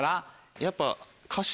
やっぱ。